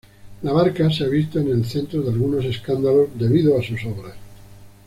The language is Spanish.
Labarca se ha visto en el centro de algunos escándalos debido a sus obras.